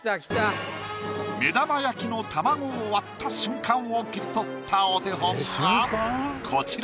目玉焼きの卵を割った瞬間を切り取ったお手本がこちら。